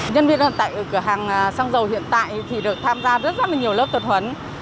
nhân viên tại cửa hàng xăng dầu hiện tại thì được tham gia rất rất là nhiều lớp tập huấn